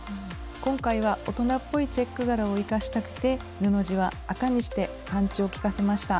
今回は大人っぽいチェック柄を生かしたくて布地は赤にしてパンチを効かせました。